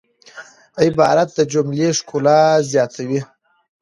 عبارت د جملې ښکلا زیاتوي.